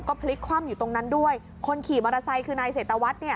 ก็พลิกคว่ำอยู่ตรงนั้นด้วยคนขี่มอเตอร์ไซค์คือในเศรษฐวัด